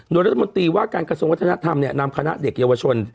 โดยรัฐมนตรีว่าการกระทรวงวัฒนธรรมนำคณะเด็กเยาวชน